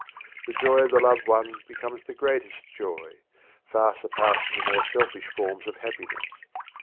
The joy of the loved one becomes the greatest joy, far surpassing the more selfish forms of happiness.